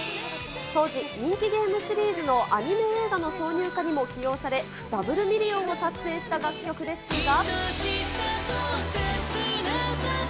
当時、人気ゲームシリーズのアニメ映画の挿入歌にも起用され、ダブルミリオンを達成した楽曲ですが。